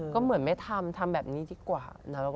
ก็เหมือนไม่ทำทำแบบนี้ดีกว่า